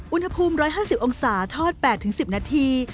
อุณหภูมิ๑๕๐องศาทอด๘๑๐นาที